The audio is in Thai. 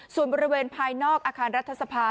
ส่วนบริเวณภายนอกอาคารรัฐสภา